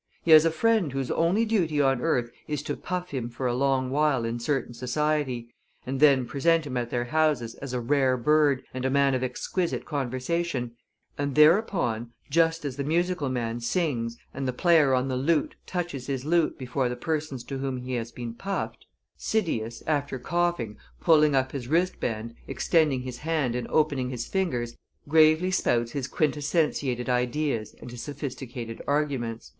He has a friend whose only duty on earth is to puff him for a long while in certain society, and then present him at their houses as a rare bird and a man of exquisite conversation, and thereupon, just as the musical man sings and the player on the lute touches his lute before the persons to whom he has been puffed, Cydias, after coughing, pulling up his wristband, extending his hand and opening his fingers, gravely spouts his quintessentiated ideas and his sophisticated arguments."